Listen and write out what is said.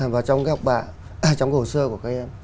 và trong cái học bạ trong cái hồ sơ của các em